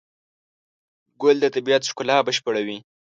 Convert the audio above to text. ګل د طبیعت ښکلا بشپړوي.